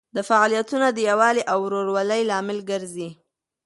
دا فعالیتونه د یووالي او ورورولۍ لامل ګرځي.